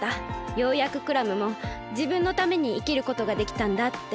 ようやくクラムもじぶんのためにいきることができたんだって。